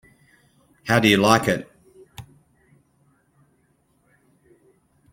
How do you like it?